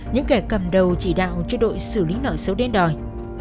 những kẻ cầm đầu chỉ đạo cho đội xử lý nợ xấu đến đòi